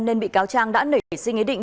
nên bị cáo trang đã nể sinh ý định